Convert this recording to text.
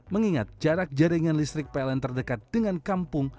mengingat jarak jaringan listrik pln terdekat dengan kampung